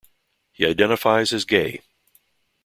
He identifies as gay.